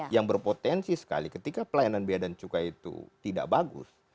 yang berpotensi sekali ketika pelayanan biaya dan cukai itu tidak bagus